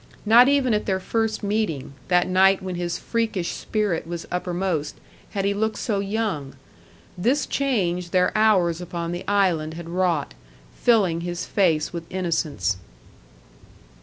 Not even at their first meeting that night when his freakish spirit was uppermost had he looked so young. This change their hours upon the island had wrought, filling his face with innocence.